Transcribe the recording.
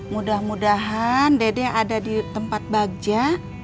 mudah mudahan dede ada di tempat bagja